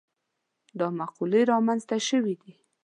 دا مقولې رامنځته شوي دي.